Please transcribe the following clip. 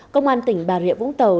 công an tỉnh bà rịa vũng tàu